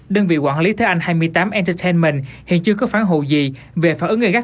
đơn vị quản lý thế anh hai mươi tám entertainment hiện chưa có phán hộ gì về phản ứng gây gắt